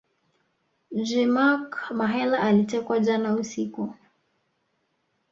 Je Mark Mahela alitekwa jana usiku